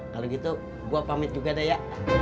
kalau gitu gue pamit juga taya